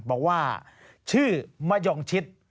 บอกว่าชื่อมะยองชิด